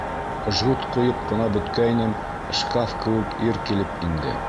Жгут ҡуйып ҡына бөткәйнем, шкаф кеүек ир килеп инде.